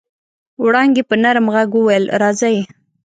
وړانګې په نرم غږ وويل راځئ.